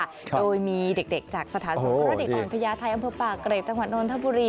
โดยมีเด็กจากสถานสงเคราะห์เด็กอ่อนพญาไทยอำเภอปากเกร็ดจังหวัดนทบุรี